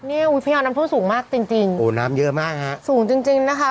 อุทยานน้ำท่วมสูงมากจริงจริงโอ้น้ำเยอะมากฮะสูงจริงจริงนะคะ